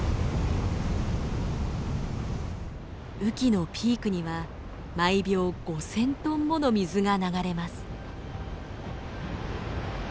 雨季のピークには毎秒５，０００トンもの水が流れます。